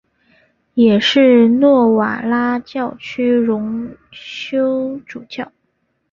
也是诺瓦拉教区荣休主教。